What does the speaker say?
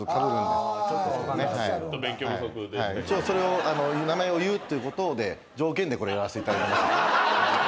それを名前を言うっていう条件でこれをやらせていただいてます。